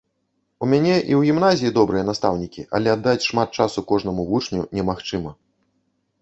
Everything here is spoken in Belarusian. У мяне і ў гімназіі добрыя настаўнікі, але аддаць шмат часу кожнаму вучню немагчыма.